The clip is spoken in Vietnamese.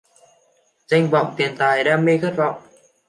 Danh vọng tiền tài đam mê khát vọng